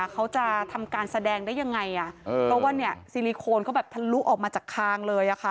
เขาจะทำการแสดงได้ยังไงอ่ะเพราะว่าเนี่ยซิลิโคนเขาแบบทะลุออกมาจากคางเลยอะค่ะ